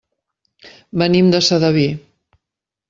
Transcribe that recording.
Venim de Sedaví.